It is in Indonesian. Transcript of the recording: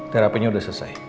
terapinya udah selesai